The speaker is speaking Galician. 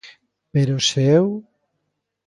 _Pero se eu...